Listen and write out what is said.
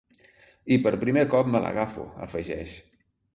I per primer cop me l’agafo, afegeix.